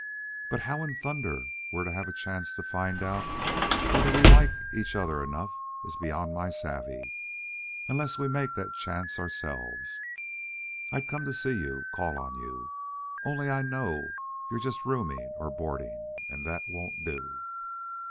But how in thunder we're to have a chance to find out whether we like each other enough is beyond my savvee, unless we make that chance ourselves. I'd come to see you, call on you, only I know you're just rooming or boarding, and that won't do."